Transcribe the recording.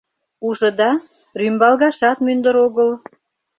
Ужыда, рӱмбалгашат мӱндыр огыл.